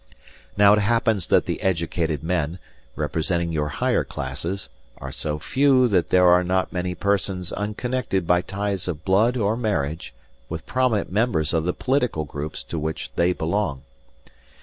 Now, it happens that the educated men, representing your higher classes, are so few that there are not many persons unconnected by ties of blood or marriage with prominent members of the political groups to which they belong.